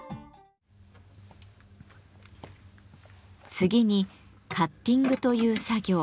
次に「カッティング」という作業。